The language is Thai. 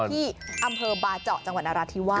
ที่อำเภอบาเจาะจังหวัดนราธิวาส